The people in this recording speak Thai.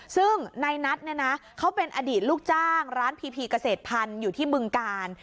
ซึ่งในนัทเนี่ยนะเขาเป็นอดีตลูกจ้างร้านพีพีเกษตรพันธุ์อยู่ที่บึงกาล